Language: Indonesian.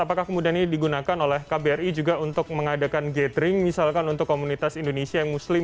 apakah kemudian ini digunakan oleh kbri juga untuk mengadakan gathering misalkan untuk komunitas indonesia yang muslim